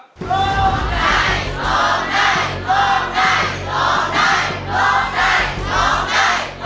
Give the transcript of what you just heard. ร้องได้ร้องได้ร้องได้